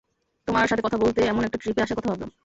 তোমার সাথে কথা বলতে এমন একটা ট্রিপে আসার কথা ভাবলাম।